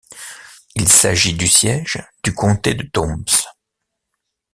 Il s'agit du siège du comté de Toombs.